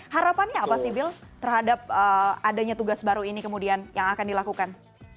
harapannya apa sih bil terhadap adanya tugas baru ini kemudian yang akan dilakukan